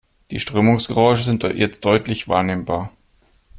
Die Strömungsgeräusche sind jetzt deutlich wahrnehmbar.